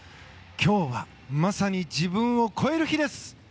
今日はまさに自分を超える日です。